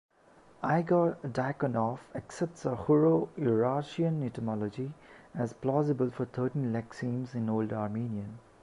Igor Diakonoff accepts a Hurro-Urartian etymology as plausible for thirteen lexemes in Old Armenian.